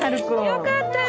・よかったね。